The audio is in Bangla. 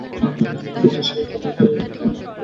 নিরাশ হয়ে সম্রাট তাঁকে ঐ পাতিলে নিক্ষেপ করার নির্দেশ দিল।